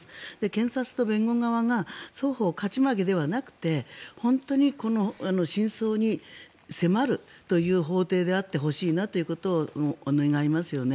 検察と弁護側が双方勝ち負けではなくて本当に真相に迫るという法廷であってほしいなということを願いますよね。